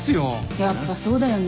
やっぱそうだよね。